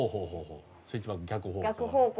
スイッチバック逆方向。